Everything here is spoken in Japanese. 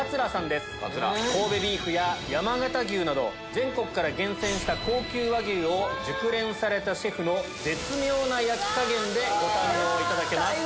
全国から厳選した高級和牛を熟練されたシェフの絶妙な焼き加減でご堪能いただけます。